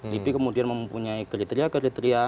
libi kemudian mempunyai geritria geritria